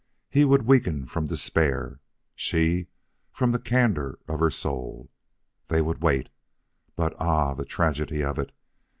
He would weaken from despair, she from the candor of her soul. They would wait. But ah, the tragedy of it!